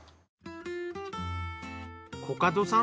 コカドさん